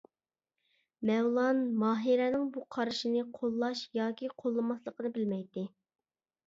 مەۋلان ماھىرەنىڭ بۇ قارىشىنى قوللاش ياكى قوللىماسلىقىنى بىلمەيتتى.